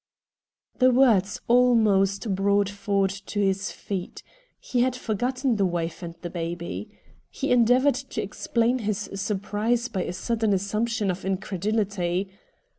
The words almost brought Ford to his feet. He had forgotten the wife and the baby. He endeavored to explain his surprise by a sudden assumption of incredulity.